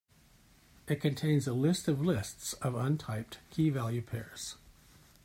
It contains a list of lists of untyped key-value pairs.